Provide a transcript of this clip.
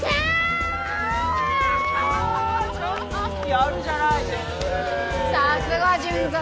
やるじゃない純三。